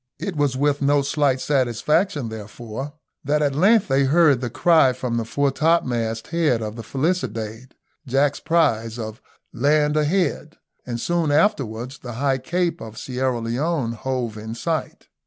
It was with no slight satisfaction, therefore, that at length they heard the cry from the foretopmast head of the Felicidade, Jack's prize, of "land ahead," and soon afterwards the high cape of Sierra Leone hove in sight.